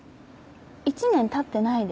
１年たってないです